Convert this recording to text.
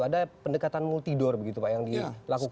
ada pendekatan multidor begitu pak yang dilakukan